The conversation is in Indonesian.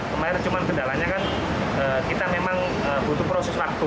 kemarin cuma kendalanya kan kita memang butuh proses waktu